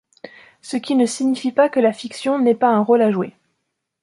Ce qui ne signifie pas que la fiction n'ait pas un rôle à jouer.